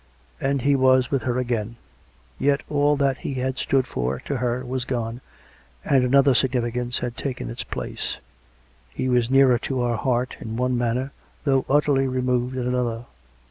And he was with her again ; yet all that he had stood for, to her, was gone, and another significance had taken its place. He was nearer to her heart, in one manner, though utterly removed, in another.